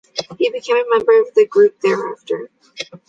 He became a member of the group thereafter.